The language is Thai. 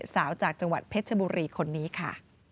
จากจังหวัดเพชรบุรีคนนี้ค่ะ